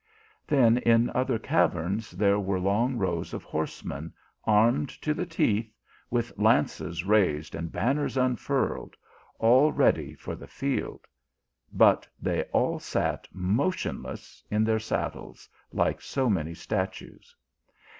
Then in other carverns there 258 THE ALHAMBRA. were long rows of horsemen, armed to the teeth, with lances raised and banners unfurled, all ready for the field ; but they all sat motionless in their saddles like so many statues.